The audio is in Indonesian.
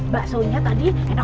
bakso nya tadi enak banget ya bu